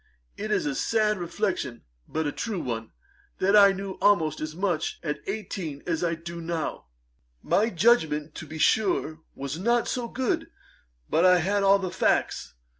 It is a sad reflection, but a true one, that I knew almost as much at eighteen as I do now. My judgement, to be sure, was not so good; but I had all the facts.